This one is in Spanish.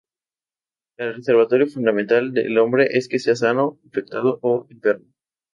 El reservorio fundamental es el hombre, bien sea sano, infectado o enfermo.